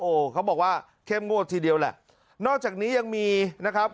โอ้โหเขาบอกว่าเข้มงวดทีเดียวแหละนอกจากนี้ยังมีนะครับ